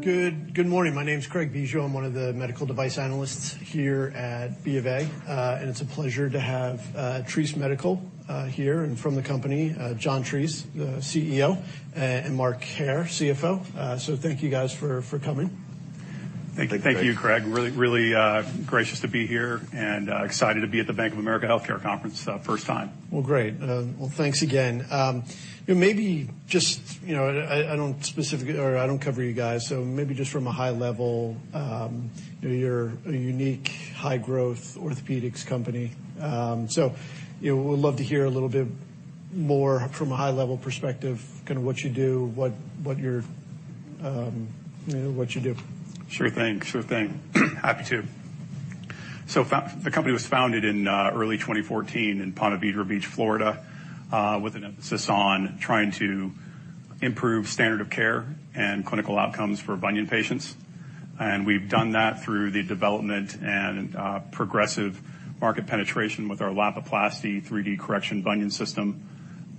Good morning. My name is Craig Bijou. I'm one of the medical device analysts here at BofA, and it's a pleasure to have Treace Medical here, and from the company, John Treace, the CEO, and Mark Hair, CFO. Thank you guys for coming. Thank you, Craig. Thank you. Really, really gracious to be here, and excited to be at the Bank of America healthcare conference, first time. Well, great. Well, thanks again. You know, maybe just, you know, I don't specifically or I don't cover you guys, maybe just from a high level, you're a unique, high-growth orthopedics company. You know, would love to hear a little bit more from a high-level perspective kind of what you do, what you're, you know, what you do. Sure thing. Happy to. The company was founded in early 2014 in Ponte Vedra Beach, Florida, with an emphasis on trying to improve standard of care and clinical outcomes for bunion patients. We've done that through the development and progressive market penetration with our Lapiplasty 3D Bunion Correction System.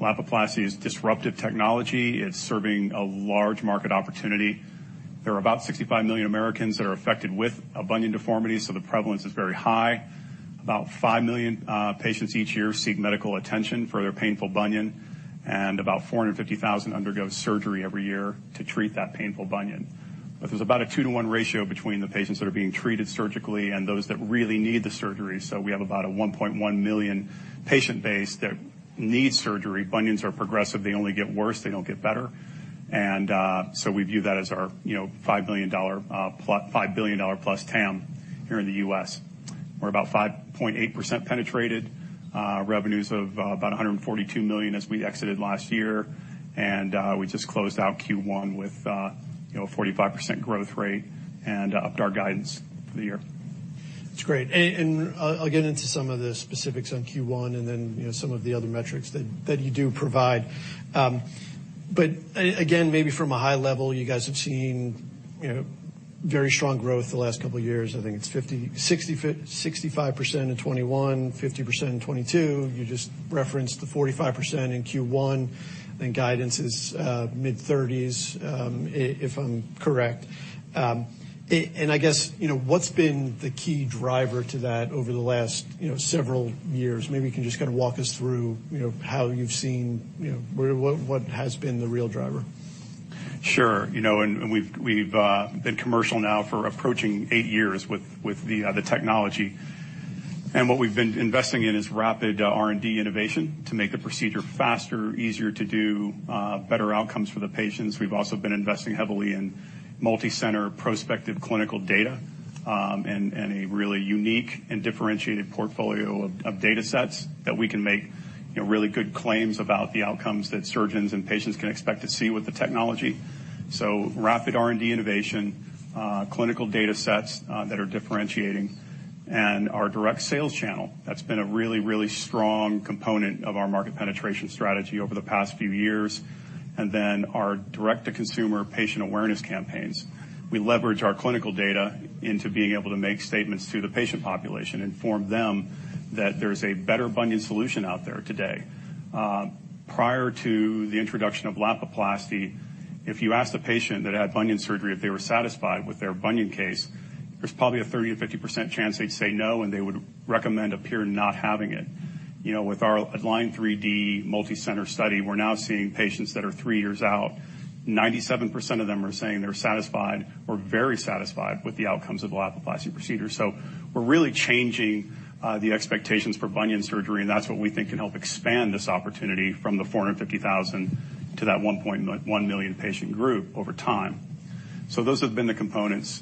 Lapiplasty is disruptive technology. It's serving a large market opportunity. There are about 65 million Americans that are affected with a bunion deformity, so the prevalence is very high. About 5 million patients each year seek medical attention for their painful bunion, and about 450,000 undergo surgery every year to treat that painful bunion. There's about a 2-to-1 ratio between the patients that are being treated surgically and those that really need the surgery, so we have about a 1.1 million patient base that needs surgery. Bunions are progressive. They only get worse. They don't get better. We view that as our, you know, $5 billion+ TAM here in the U.S. We're about 5.8% penetrated, revenues of about $142 million as we exited last year. We just closed out Q1 with, you know, a 45% growth rate and upped our guidance for the year. That's great. I'll get into some of the specifics on Q1 and then, you know, some of the other metrics that you do provide. Again, maybe from a high level, you guys have seen, you know, very strong growth the last couple years. I think it's 50%, 65% in 2021, 50% in 2022. You just referenced the 45% in Q1, and guidance is mid-30s, if I'm correct. I guess, you know, what's been the key driver to that over the last, you know, several years? Maybe you can just kind of walk us through, you know, how you've seen, you know, what has been the real driver. Sure. You know, we've been commercial now for approaching 8 years with the technology. What we've been investing in is rapid R&D innovation to make the procedure faster, easier to do, better outcomes for the patients. We've also been investing heavily in multicenter prospective clinical data and a really unique and differentiated portfolio of datasets that we can make, you know, really good claims about the outcomes that surgeons and patients can expect to see with the technology. Rapid R&D innovation, clinical datasets that are differentiating, and our direct sales channel. That's been a really strong component of our market penetration strategy over the past few years. Our direct-to-consumer patient awareness campaigns. We leverage our clinical data into being able to make statements to the patient population, inform them that there's a better bunion solution out there today. Prior to the introduction of Lapiplasty, if you asked a patient that had bunion surgery if they were satisfied with their bunion case, there's probably a 30%-50% chance they'd say no, and they would recommend a peer not having it. You know, with our ALIGN3D multi-center study, we're now seeing patients that are three years out, 97% of them are saying they're satisfied or very satisfied with the outcomes of Lapiplasty procedure. We're really changing the expectations for bunion surgery, and that's what we think can help expand this opportunity from the 450,000 to that 1.1 million patient group over time. Those have been the components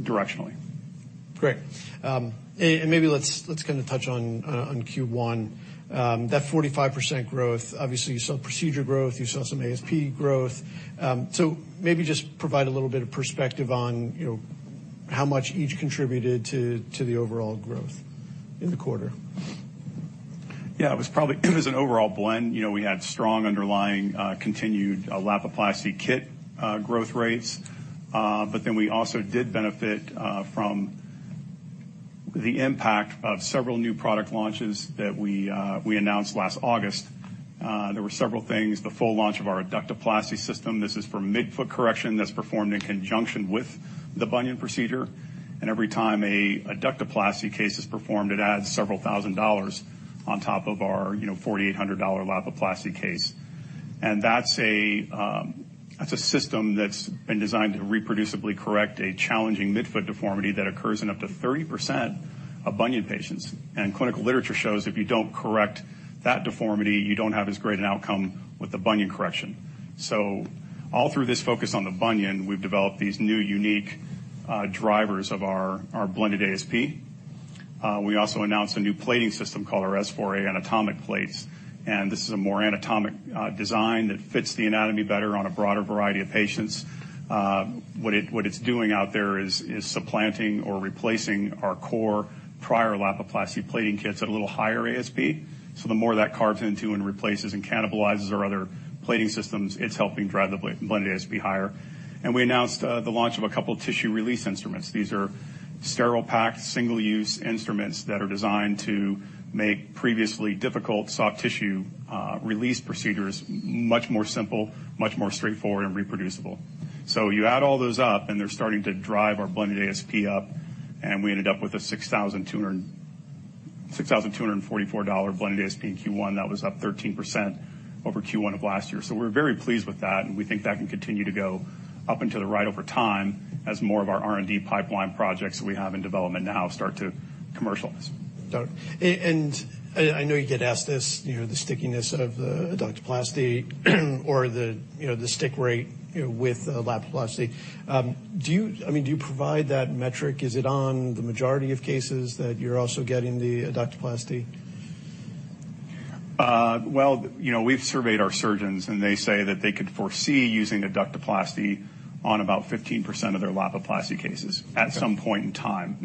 directionally. Great. Maybe let's kind of touch on Q1. That 45% growth, obviously you saw procedure growth, you saw some ASP growth. Maybe just provide a little bit of perspective on, you know, how much each contributed to the overall growth in the quarter. Yeah. It was probably it was an overall blend. You know, we had strong underlying, continued Lapiplasty kit growth rates. We also did benefit from the impact of several new product launches that we announced last August. There were several things. The full launch of our Adductoplasty System. This is for midfoot correction that's performed in conjunction with the bunion procedure. Every time an Adductoplastycase is performed, it adds several thousand dollars on top of our, you know, $4,800 Lapiplasty case. That's a system that's been designed to reproducibly correct a challenging midfoot deformity that occurs in up to 30% of bunion patients. Clinical literature shows if you don't correct that deformity, you don't have as great an outcome with the bunion correction. All through this focus on the bunion, we've developed these new, unique drivers of our blended ASP. We also announced a new plating system called our S4A anatomic plates, and this is a more anatomic design that fits the anatomy better on a broader variety of patients. What it's doing out there is supplanting or replacing our core prior Lapiplasty plating kits at a little higher ASP. The more that carves into and replaces and cannibalizes our other plating systems, it's helping drive the blended ASP higher. We announced the launch of a couple tissue release instruments. These are sterile packed, single-use instruments that are designed to make previously difficult soft tissue, release procedures much more simple, much more straightforward and reproducible. You add all those up, and they're starting to drive our blended ASP up, and we ended up with a $6,244 blended ASP in Q1. That was up 13% over Q1 of last year. We're very pleased with that, and we think that can continue to go up and to the right over time as more of our R&D pipeline projects that we have in development now start to commercialize. Got it. I know you get asked this, you know, the stickiness of the Adductoplasty or the, you know, the stick rate, you know, with Lapiplasty. I mean, do you provide that metric? Is it on the majority of cases that you're also getting the Adductoplasty? Well, you know, we've surveyed our surgeons, and they say that they could foresee using Adductoplasty on about 15% of their Lapiplasty cases at some point in time.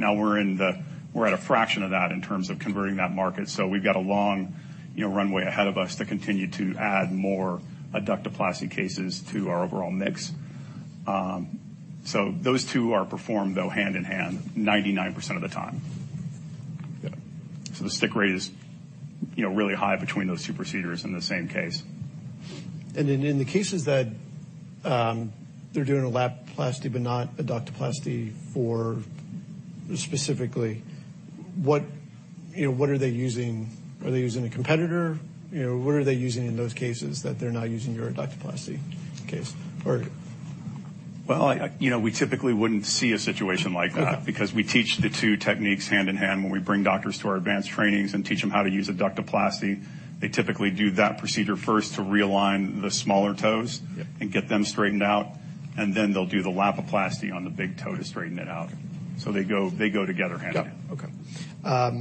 We're at a fraction of that in terms of converting that market, so we've got a long, you know, runway ahead of us to continue to add more Adductoplasty cases to our overall mix. Those two are performed, though, hand-in-hand 99% of the time. Yeah. The stick rate is, you know, really high between those two procedures in the same case. In the cases that, they're doing a Lapiplasty but not Adductoplasty for specifically, what, you know, what are they using? Are they using a competitor? You know, what are they using in those cases that they're not using your Adductoplasty case, or? Well, You know, we typically wouldn't see a situation like that. Okay. We teach the two techniques hand-in-hand when we bring doctors to our advanced trainings and teach them how to use Adductoplasty. They typically do that procedure first to realign the smaller toes. And get them straightened out, and then they'll do the Lapiplasty on the big toe to straighten it out. They go together hand-in-hand. Got it.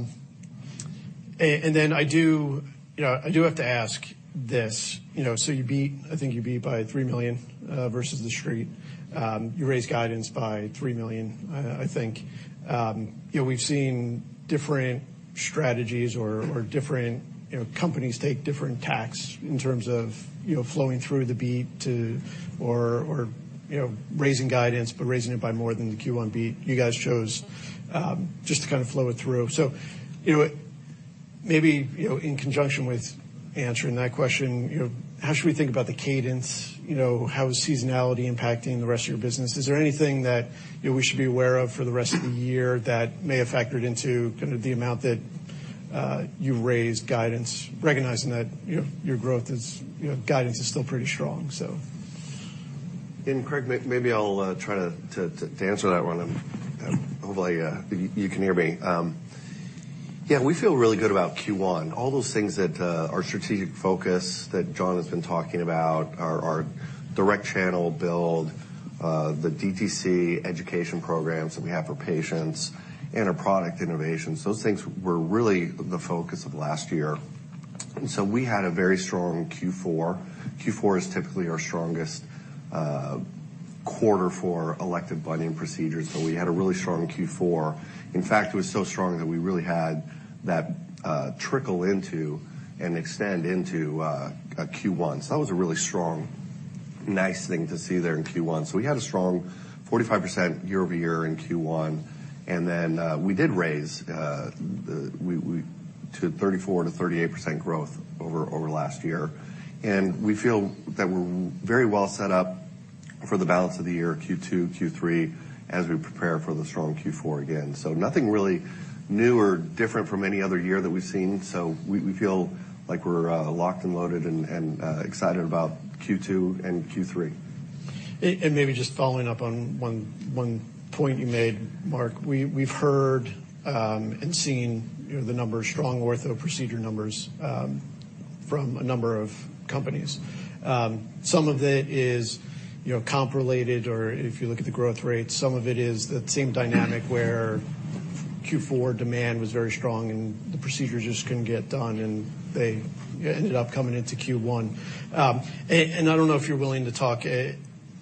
Okay. Then I do, you know, I do have to ask this. You know, so you beat, I think you beat by $3 million versus the street. You raised guidance by $3 million, I think. You know, we've seen different strategies or different, you know, companies take different tacks in terms of, you know, flowing through the beat to or, you know, raising guidance, but raising it by more than the Q1 beat. You guys chose just to kind of flow it through. You know, maybe, you know, in conjunction with answering that question, you know, how should we think about the cadence? You know, how is seasonality impacting the rest of your business? Is there anything that, you know, we should be aware of for the rest of the year that may have factored into kind of the amount that you've raised guidance, recognizing that your growth is, you know, guidance is still pretty strong, so? Craig Bijou, maybe I'll try to answer that one. Hopefully, you can hear me. Yeah, we feel really good about Q1. All those things that our strategic focus that John has been talking about, our direct channel build, the DTC education programs that we have for patients, and our product innovations, those things were really the focus of last year. We had a very strong Q4. Q4 is typically our strongest quarter for elective bunion procedures, so we had a really strong Q4. In fact, it was so strong that we really had that trickle into and extend into Q1. That was a really strong, nice thing to see there in Q1. We had a strong 45% year-over-year in Q1, and then we did raise to 34%-38% growth over last year. We feel that we're very well set up for the balance of the year, Q2, Q3, as we prepare for the strong Q4 again. Nothing really new or different from any other year that we've seen. We feel like we're locked and loaded and excited about Q2 and Q3. Maybe just following up on one point you made, Mark. We've heard, and seen, you know, the numbers, strong ortho procedure numbers, from a number of companies. Some of it is, you know, comp related or if you look at the growth rates. Some of it is that same dynamic where Q4 demand was very strong and the procedures just couldn't get done, and they ended up coming into Q1. I don't know if you're willing to talk, you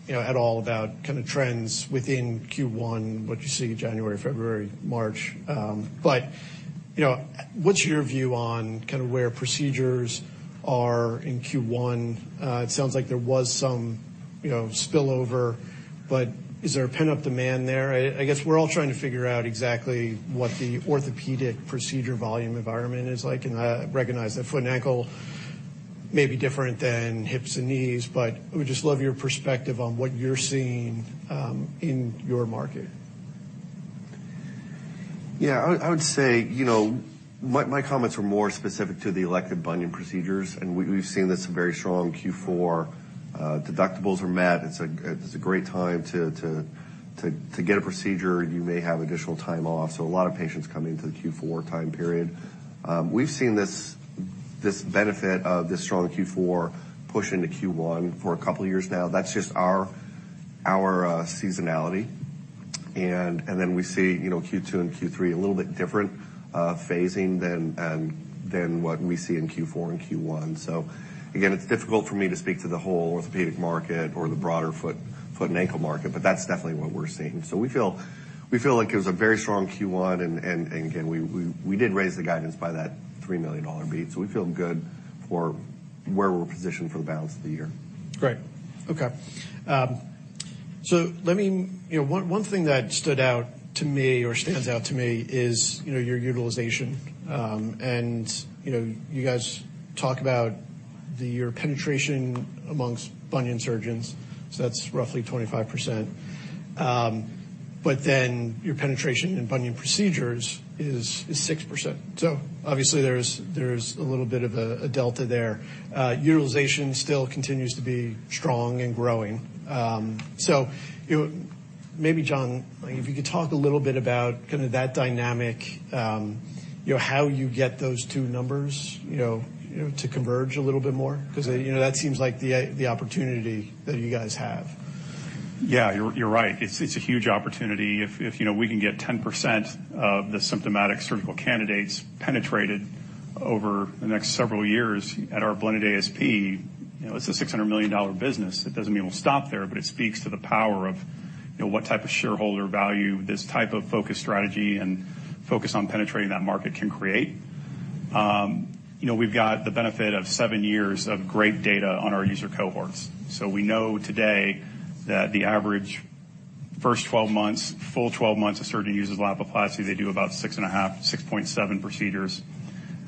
know, at all about kind of trends within Q1, what you see January, February, March. You know, what's your view on kind of where procedures are in Q1? It sounds like there was some, you know, spillover. Is there a pent-up demand there? I guess we're all trying to figure out exactly what the orthopedic procedure volume environment is like. I recognize that foot and ankle may be different than hips and knees, but I would just love your perspective on what you're seeing in your market. Yeah. I would say, you know, my comments were more specific to the elective bunion procedures. We've seen this very strong Q4. Deductibles are met. It's a great time to get a procedure. You may have additional time off, so a lot of patients come into the Q4 time period. We've seen this benefit of this strong Q4 push into Q1 for two years now. That's just our seasonality. We see, you know, Q2 and Q3 a little bit different phasing than what we see in Q4 and Q1. Again, it's difficult for me to speak to the whole orthopedic market or the broader foot and ankle market, but that's definitely what we're seeing. We feel like it was a very strong Q1. Again, we did raise the guidance by that $3 million beat. We feel good for where we're positioned for the balance of the year. Great. Okay. Let me, you know, one thing that stood out to me or stands out to me is, you know, your utilization. You know, you guys talk about the, your penetration amongst bunion surgeons. That's roughly 25%. Your penetration in bunion procedures is 6%. Obviously there's a little bit of a delta there. Utilization still continues to be strong and growing. You maybe, John, if you could talk a little bit about kind of that dynamic, you know, how you get those two numbers, you know, to converge a little bit more because, you know, that seems like the opportunity that you guys have. You're right. It's a huge opportunity. You know, we can get 10% of the symptomatic surgical candidates penetrated over the next several years at our blended ASP, you know, it's a $600 million business. It doesn't mean we'll stop there, but it speaks to the power of, you know, what type of shareholder value this type of focused strategy and focus on penetrating that market can create. You know, we've got the benefit of seven years of great data on our user cohorts. We know today that the average first 12 months, full 12 months a surgeon uses Lapiplasty, they do about 6.5, 6.7 procedures.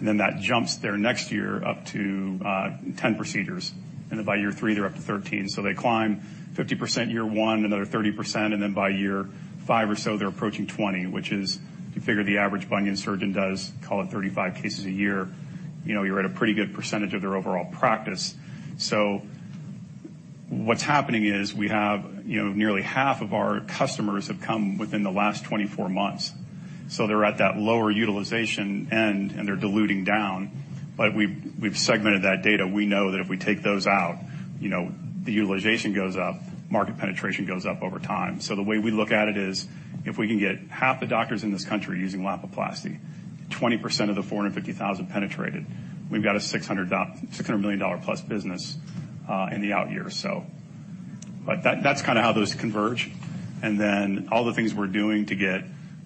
That jumps their next year up to 10 procedures. By year three they're up to 13. They climb 50% year one, another 30%, and then by year five or so they're approaching 20, which is, you figure the average bunion surgeon does, call it 35 cases a year. You know, you're at a pretty good percentage of their overall practice. What's happening is we have, you know, nearly half of our customers have come within the last 24 months, so they're at that lower utilization end and they're diluting down. We've segmented that data. We know that if we take those out, you know, the utilization goes up, market penetration goes up over time. The way we look at it is if we can get half the doctors in this country using Lapiplasty, 20% of the 450,000 penetrated, we've got a $600 million plus business in the out years. That's kind of how those converge. All the things we're doing to get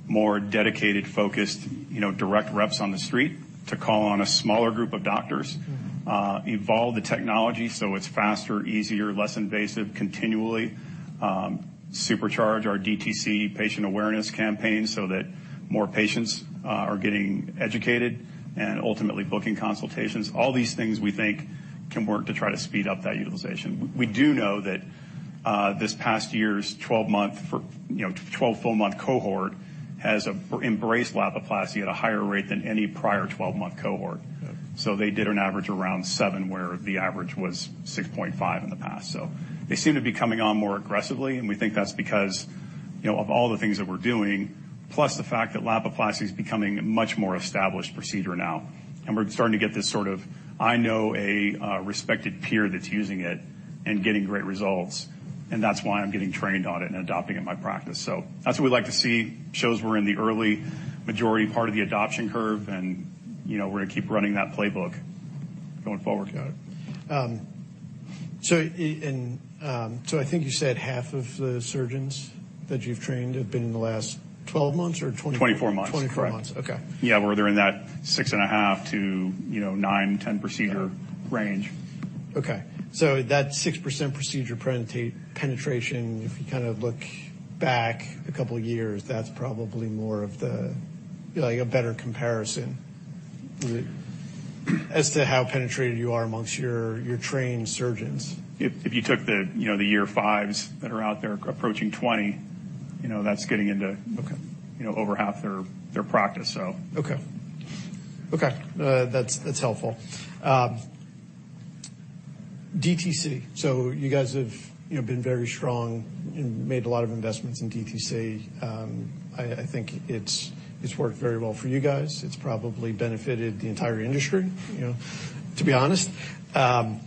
more dedicated, focused, you know, direct reps on the street to call on a smaller group of doctors, evolve the technology so it's faster, easier, less invasive, continually supercharge our DTC patient awareness campaign so that more patients are getting educated and ultimately booking consultations. All these things we think can work to try to speed up that utilization. We do know that this past year's 12-month for, you know, 12 full month cohort has embraced Lapiplasty at a higher rate than any prior 12-month cohort. They did an average around seven, where the average was 6.5 in the past. They seem to be coming on more aggressively, we think that's because, you know, of all the things that we're doing, plus the fact that Lapiplasty is becoming a much more established procedure now and we're starting to get this sort of, I know a respected peer that's using it and getting great results, and that's why I'm getting trained on it and adopting in my practice. That's what we'd like to see. Shows we're in the early majority part of the adoption curve, you know, we're gonna keep running that playbook going forward. Got it. And, I think you said half of the surgeons that you've trained have been in the last 12 months or 20? 24 months. 24 months. Okay. Yeah. Where they're in that 6.5 to, you know, 9-10 procedure range. Okay, that 6% procedure penetration, if you kind of look back a couple of years, that's probably more of the, like, a better comparison as to how penetrated you are amongst your trained surgeons. If you took the, you know, the year fives that are out there approaching 20, you know, that's getting into. Okay. You know, over half their practice. Okay, that's helpful. DTC. You guys have, you know, been very strong and made a lot of investments in DTC. I think it's worked very well for you guys. It's probably benefited the entire industry, you know, to be honest. And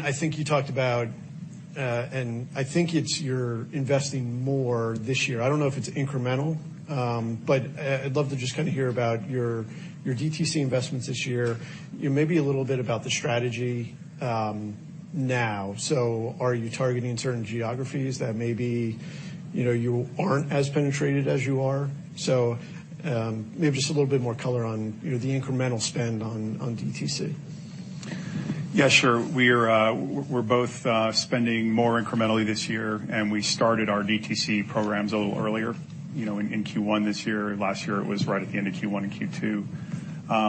I think you talked about, and I think it's you're investing more this year. I don't know if it's incremental, but I'd love to just kind of hear about your DTC investments this year. You know, maybe a little bit about the strategy now. Are you targeting certain geographies that maybe, you know, you aren't as penetrated as you are? Maybe just a little bit more color on, you know, the incremental spend on DTC. Sure. We're both spending more incrementally this year, and we started our DTC programs a little earlier, you know, in Q1 this year. Last year it was right at the end of Q1 and Q2.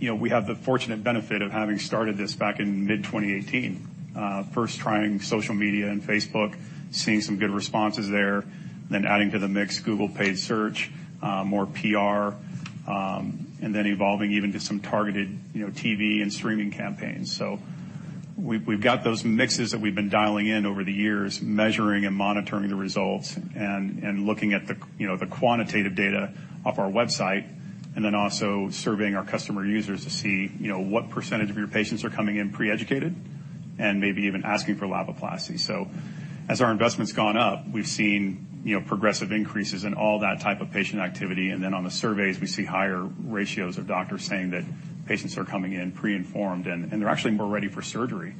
You know, we have the fortunate benefit of having started this back in mid-2018. First trying social media and Facebook, seeing some good responses there. Adding to the mix Google Paid Search, more PR, and then evolving even to some targeted, you know, TV and streaming campaigns. We've got those mixes that we've been dialing in over the years, measuring and monitoring the results and looking at the, you know, the quantitative data off our website, and then also surveying our customer users to see, you know, what percentage of your patients are coming in pre-educated and maybe even asking for Lapiplasty. As our investment's gone up, we've seen, you know, progressive increases in all that type of patient activity. On the surveys, we see higher ratios of doctors saying that patients are coming in pre-informed, and they're actually more ready for surgery,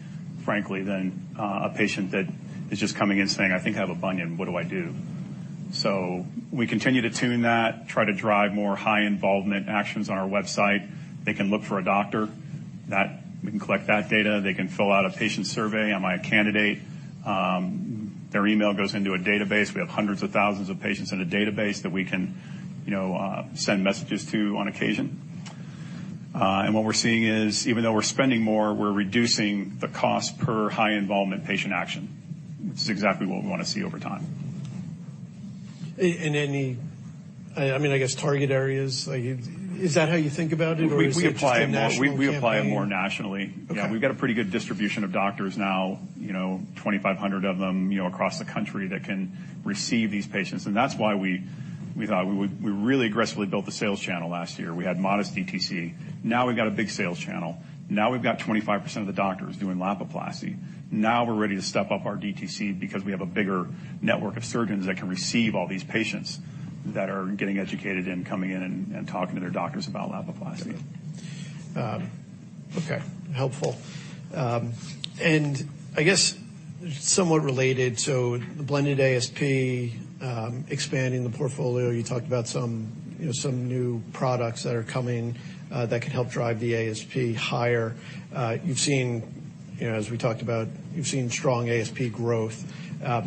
frankly, than a patient that is just coming in saying, "I think I have a bunion, what do I do?" We continue to tune that, try to drive more high involvement actions on our website. They can look for a doctor. That, we can collect that data. They can fill out a patient survey, am I a candidate? Their email goes into a database. We have hundreds of thousands of patients in a database that we can, you know, send messages to on occasion. What we're seeing is even though we're spending more, we're reducing the cost per high-involvement patient action, which is exactly what we wanna see over time. In any, I mean, I guess target areas, like is that how you think about it? We apply it. Is it just a national campaign? We apply it more nationally. Okay. Yeah, we've got a pretty good distribution of doctors now, you know, 2,500 of them, you know, across the country that can receive these patients. That's why we thought we really aggressively built the sales channel last year. We had modest DTC. Now we've got a big sales channel. Now we've got 25% of the doctors doing Lapiplasty. Now we're ready to step up our DTC because we have a bigger network of surgeons that can receive all these patients that are getting educated and coming in and talking to their doctors about Lapiplasty. Okay. Helpful. I guess somewhat related, the blended ASP, expanding the portfolio, you talked about some, you know, some new products that are coming that can help drive the ASP higher. You've seen, you know, as we talked about, you've seen strong ASP growth. You know,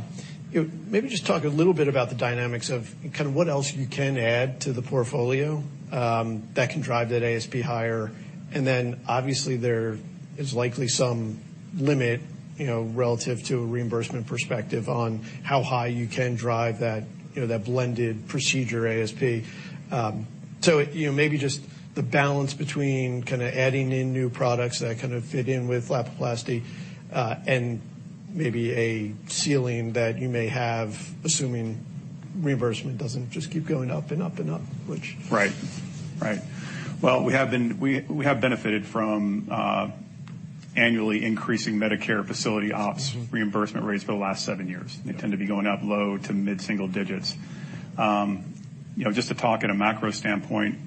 maybe just talk a little bit about the dynamics of kind of what else you can add to the portfolio that can drive that ASP higher. Obviously, there is likely some limit, you know, relative to a reimbursement perspective on how high you can drive that, you know, that blended procedure ASP. You know, maybe just the balance between kind of adding in new products that kind of fit in with Lapiplasty, and maybe a ceiling that you may have, assuming reimbursement doesn't just keep going up and up and up. Right. Well, we have benefited from annually increasing Medicare facility reimbursement rates for the last seven years. They tend to be going up low to mid-single digits. You know, just to talk at a macro standpoint,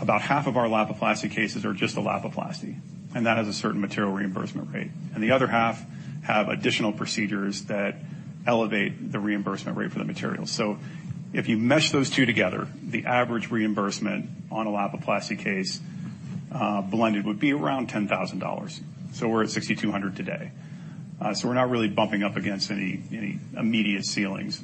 about half of our Lapiplasty cases are just a Lapiplasty, and that has a certain material reimbursement rate. The other half have additional procedures that elevate the reimbursement rate for the material. If you mesh those two together, the average reimbursement on a Lapiplasty case, blended would be around $10,000. We're at $6,200 today. We're not really bumping up against any immediate ceilings.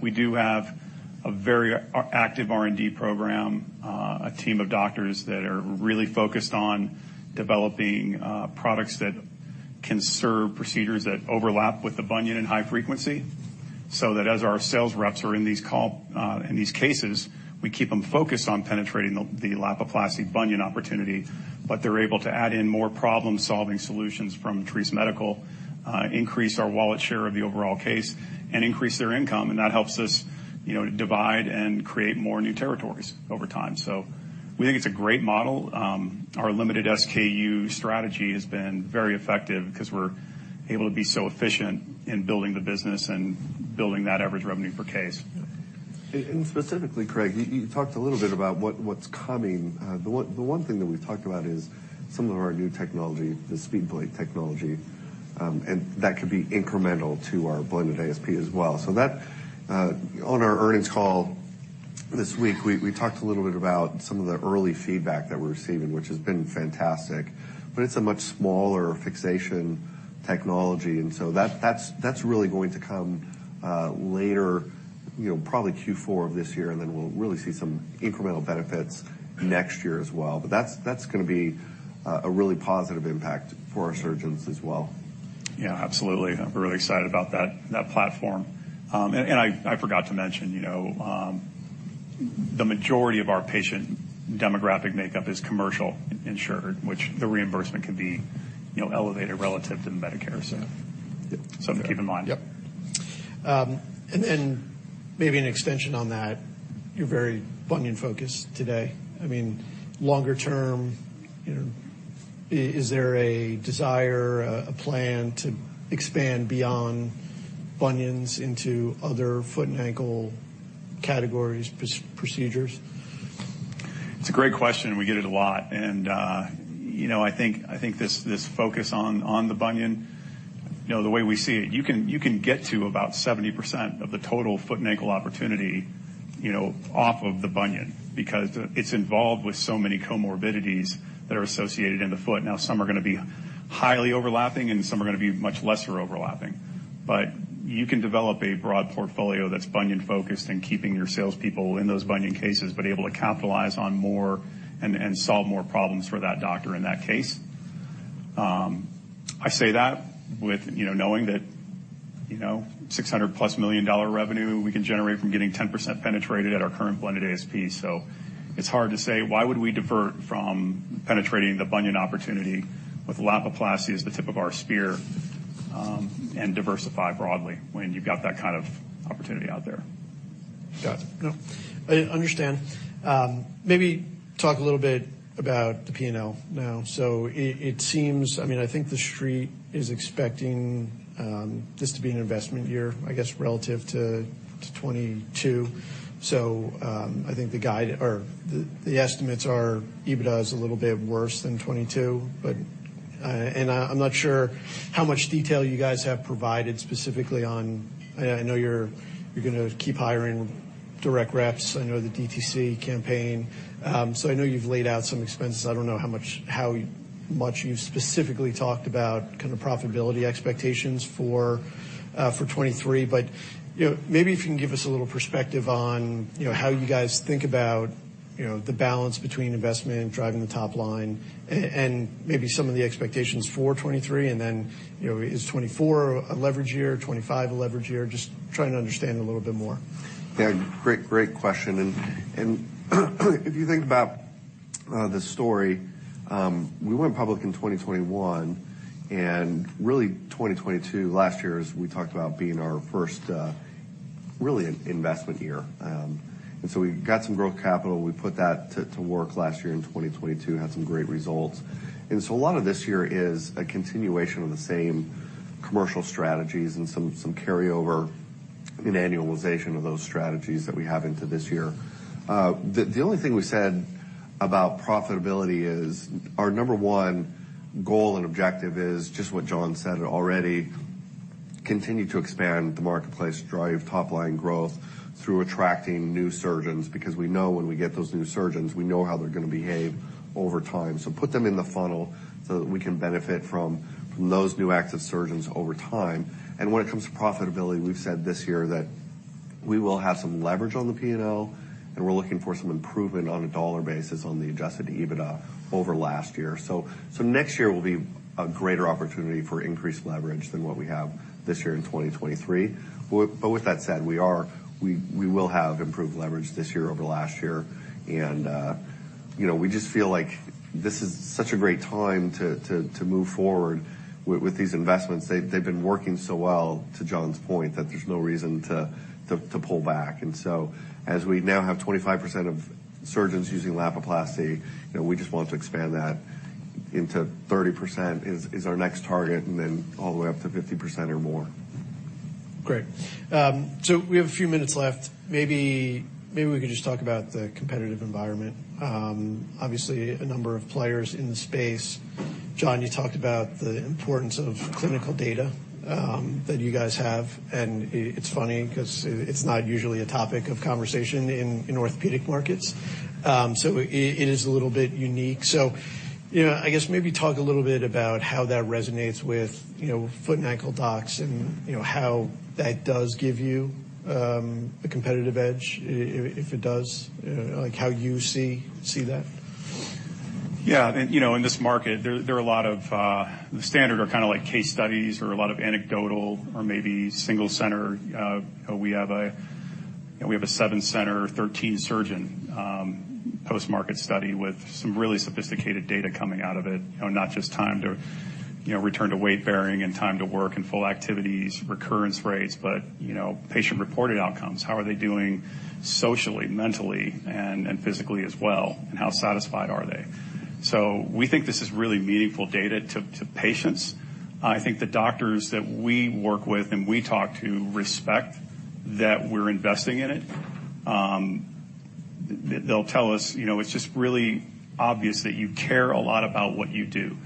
We do have a very active R&D program, a team of doctors that are really focused on developing products that can serve procedures that overlap with the bunion and high frequency. That as our sales reps are in these call, in these cases, we keep them focused on penetrating the Lapiplasty bunion opportunity, but they're able to add in more problem-solving solutions from Treace Medical, increase our wallet share of the overall case and increase their income, and that helps us, you know, to divide and create more new territories over time. We think it's a great model. Our limited SKU strategy has been very effective because we're able to be so efficient in building the business and building that average revenue per case. Yeah. Specifically, Craig Bijou, you talked a little bit about what's coming. The one thing that we've talked about is some of our new technology, the SpeedPlate technology, and that could be incremental to our blended ASP as well. On our earnings call this week, we talked a little bit about some of the early feedback that we're receiving, which has been fantastic, but it's a much smaller fixation technology. That's really going to come later, you know, probably Q4 of this year, and then we'll really see some incremental benefits next year as well. That's gonna be a really positive impact for our surgeons as well. Yeah, absolutely. We're really excited about that platform. I forgot to mention, you know, the majority of our patient demographic makeup is commercial insured, which the reimbursement could be, you know, elevated relative to the Medicare. Yeah. Something to keep in mind. Yep. Maybe an extension on that, you're very bunion-focused today. I mean, longer term, you know, is there a desire, a plan to expand beyond bunions into other foot and ankle categories, procedures? It's a great question, and we get it a lot. I think this focus on the bunion, you know, the way we see it, you can get to about 70% of the total foot and ankle opportunity, you know, off of the bunion because it's involved with so many comorbidities that are associated in the foot. Some are gonna be highly overlapping, and some are gonna be much lesser overlapping. You can develop a broad portfolio that's bunion-focused and keeping your sales people in those bunion cases, but able to capitalize on more and solve more problems for that doctor in that case. I say that with, you know, knowing that, you know, $600+ million revenue we can generate from getting 10% penetrated at our current blended ASP. it's hard to say, why would we divert from penetrating the bunion opportunity with Lapiplasty as the tip of our spear, and diversify broadly when you've got that kind of opportunity out there? Got it. I understand. Maybe talk a little bit about the P&L now. It seems, I mean, I think the Street is expecting this to be an investment year, I guess, relative to 2022. I think the guide or the estimates are EBITDA is a little bit worse than 2022, and I'm not sure how much detail you guys have provided specifically on... I know you're gonna keep hiring direct reps. I know the DTC campaign. I know you've laid out some expenses. I don't know how much you specifically talked about kind of profitability expectations for 2023. You know, maybe if you can give us a little perspective on, you know, how you guys think about, you know, the balance between investment, driving the top line and maybe some of the expectations for 2023. You know, is 2024 a leverage year? 2025 a leverage year? Just trying to understand a little bit more. Yeah. Great question. If you think about the story, we went public in 2021, really 2022, last year, as we talked about being our first, really an investment year. We got some growth capital. We put that to work last year in 2022, had some great results. A lot of this year is a continuation of the same commercial strategies and some carryover and annualization of those strategies that we have into this year. The only thing we said about profitability is our number one goal and objective is just what John said already, continue to expand the marketplace, drive top line growth through attracting new surgeons, because we know when we get those new surgeons, we know how they're gonna behave over time. Put them in the funnel so that we can benefit from those new active surgeons over time. When it comes to profitability, we've said this year that we will have some leverage on the P&L, and we're looking for some improvement on a dollar basis on the adjusted EBITDA over last year. Next year will be a greater opportunity for increased leverage than what we have this year in 2023. With that said, we will have improved leverage this year over last year. You know, we just feel like this is such a great time to move forward with these investments. They've been working so well, to John's point, that there's no reason to pull back. As we now have 25% of surgeons using Lapiplasty, you know, we just want to expand that into 30% is our next target, and then all the way up to 50% or more. Great. We have a few minutes left. Maybe we could just talk about the competitive environment. Obviously a number of players in the space. John, you talked about the importance of clinical data that you guys have, and it's funny 'cause it's not usually a topic of conversation in orthopedic markets. It is a little bit unique. You know, I guess maybe talk a little bit about how that resonates with, you know, foot and ankle docs and, you know, how that does give you a competitive edge, if it does, like how you see that? Yeah. you know, in this market there are a lot of, the standard are kind of like case studies or a lot of anecdotal or maybe single center. We have a, you know, we have a 7 center, 13 surgeon, post-market study with some really sophisticated data coming out of it. You know, not just time to, you know, return to weight bearing and time to work and full activities, recurrence rates, but, you know, patient reported outcomes. How are they doing socially, mentally, and physically as well, and how satisfied are they? We think this is really meaningful data to patients. I think the doctors that we work with and we talk to respect that we're investing in it. They'll tell us, you know, "It's just really obvious that you care a lot about what you do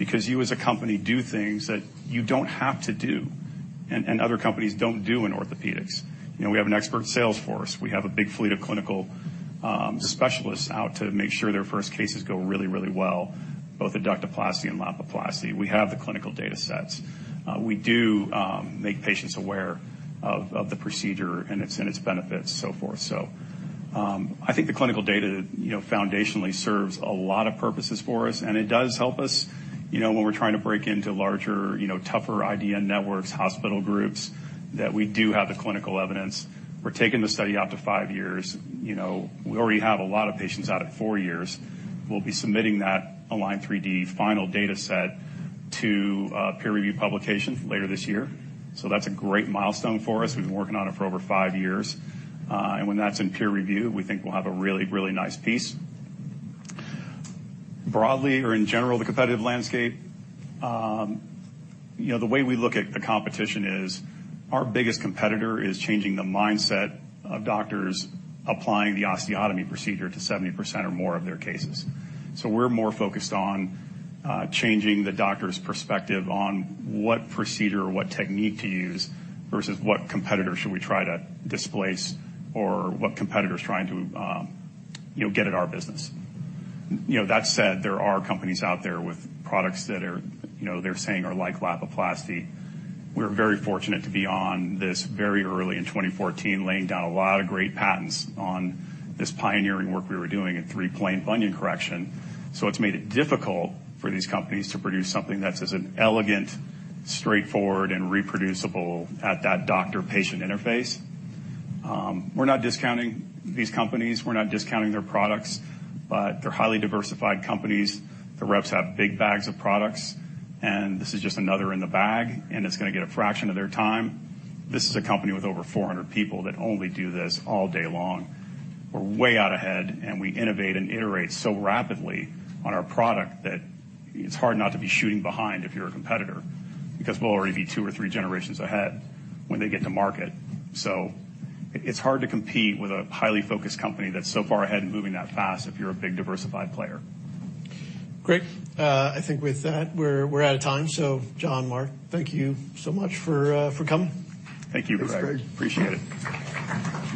because you as a company do things that you don't have to do and other companies don't do in orthopedics." You know, we have an expert sales force. We have a big fleet of clinical specialists out to make sure their first cases go really, really well, both Adductoplasty and Lapiplasty. We have the clinical data sets. We do make patients aware of the procedure and its benefits, so forth. I think the clinical data, you know, foundationally serves a lot of purposes for us, and it does help us, you know, when we're trying to break into larger, you know, tougher IDN networks, hospital groups that we do have the clinical evidence. We're taking the study out to five years. You know, we already have a lot of patients out at four years. We'll be submitting that ALIGN3D final data set to a peer review publication later this year. That's a great milestone for us. We've been working on it for over five years. When that's in peer review, we think we'll have a really nice piece. Broadly or in general, the competitive landscape, you know, the way we look at the competition is our biggest competitor is changing the mindset of doctors applying the osteotomy procedure to 70% or more of their cases. We're more focused on changing the doctor's perspective on what procedure or what technique to use versus what competitor should we try to displace or what competitor's trying to, you know, get at our business. You know, that said, there are companies out there with products that are, you know, they're saying are like Lapiplasty. We're very fortunate to be on this very early in 2014, laying down a lot of great patents on this pioneering work we were doing in 3D Bunion Correction. It's made it difficult for these companies to produce something that's as an elegant, straightforward, and reproducible at that doctor-patient interface. We're not discounting these companies. We're not discounting their products, but they're highly diversified companies. The reps have big bags of products, and this is just another in the bag, and it's gonna get a fraction of their time. This is a company with over 400 people that only do this all day long. We're way out ahead, we innovate and iterate so rapidly on our product that it's hard not to be shooting behind if you're a competitor, because we'll already be two or three generations ahead when they get to market. It's hard to compete with a highly focused company that's so far ahead and moving that fast if you're a big diversified player. Great. I think with that, we're out of time. John, Mark, thank you so much for for coming. Thank you, Craig. Thanks, Craig. Appreciate it.